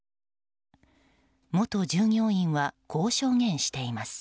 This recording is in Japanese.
元従業員はこう証言しています。